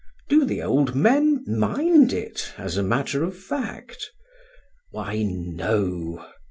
Do the old men mind it, as a matter of fact? Why, no.